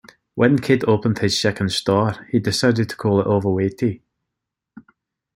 When Kidd opened his second store, he decided to call it "Overwaitea".